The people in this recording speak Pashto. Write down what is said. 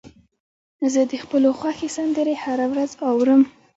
زه د خپلو خوښې سندرې هره ورځ اورم.